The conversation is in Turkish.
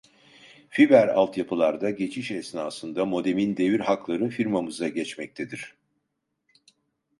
Fiber alt yapılarda geçiş esnasında modemin devir hakları firmamıza geçmektedir.